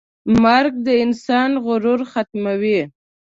مرګ د انسان غرور ختموي.